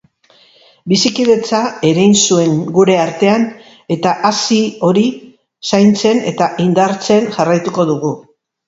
Bizikidetza erein zuen gure artean eta hazi hori zaintzen eta indartzen jarraituko dugu.